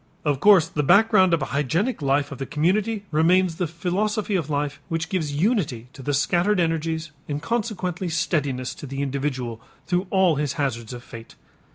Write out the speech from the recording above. Of course the background of a hygienic life of the community remains the philosophy of life which gives unity to the scattered energies and consequently steadiness to the individual through all his hazards of fate.